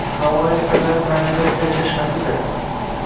Navoiy asarlari ma’naviyat sarchashmasing